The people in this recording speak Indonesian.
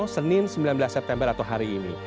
senin sembilan belas september atau hari ini